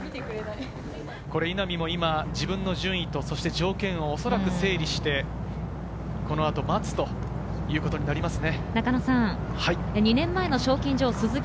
稲見も自分の順位と条件をおそらく整理してこの後、待つということになりますね。